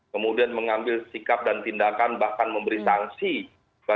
kemudian mengambil sikap dan tindakan bahkan memberi sanksi bagi siapa saja termasuk perkantoran